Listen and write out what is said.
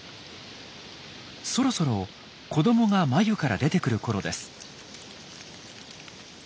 そろそろ子どもが繭から出てくるころです。